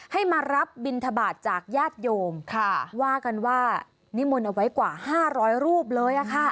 ให้มารับบินทบาทจากญาติโยมค่ะว่ากันว่านิมนต์เอาไว้กว่าห้าร้อยรูปเลยอะค่ะ